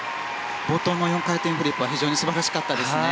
冒頭の４回転フリップは非常に素晴らしかったですね。